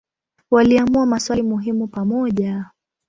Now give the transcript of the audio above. Waliamua maswali muhimu pamoja.